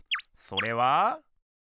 それは。